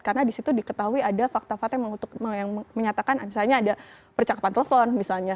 karena di situ diketahui ada fakta fakta yang menyatakan misalnya ada percakapan telepon misalnya